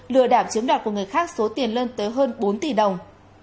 lừa đảo chiếm đoạt của người khác số tiền lên tới hơn bốn tỷ đồng